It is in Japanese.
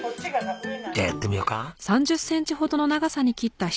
じゃあやってみようか。